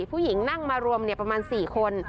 ผู้หญิงนั่งมารวมประมาณ๔คน